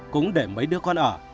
cũng để mấy đứa con ở